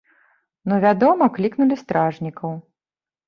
Ну, вядома, клікнулі стражнікаў.